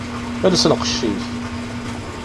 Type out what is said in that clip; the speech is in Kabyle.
Els lqecc-ik!